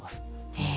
へえ。